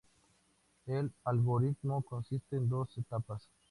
El algoritmo consiste en dos etapas.